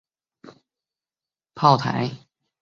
而炮台两旁则建有印度建筑特色的哨房。